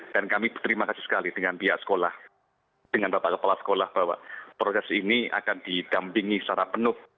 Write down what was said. dan kami berterima kasih sekali dengan pihak sekolah dengan bapak kepala sekolah bahwa proses ini akan didampingi secara penuh